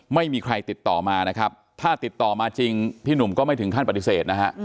ไม่มีใครติดต่อมานะครับถ้าติดต่อมาจริงพี่หนุ่มก็ไม่ถึงขั้นปฏิเสธนะฮะ